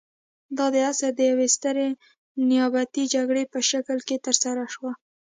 دا د عصر د یوې سترې نیابتي جګړې په شکل کې ترسره شوه.